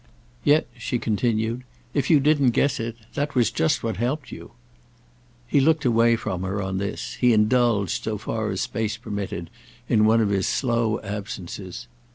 Yet," she continued, "if you didn't guess it that was just what helped you." He looked away from her on this; he indulged, so far as space permitted, in one of his slow absences.